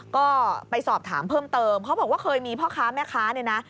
ก็ไปสอบถามเพิ่มเติมเขาบอกว่าเคยมีพ่อค้าแม่ค้าเนี่ยนะ